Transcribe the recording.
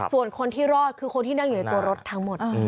ส่วนคนที่รอดคือคนที่นั่งอยู่ในตัวรถทั้งหมด